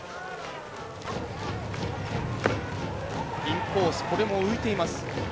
インコース、これも浮いています。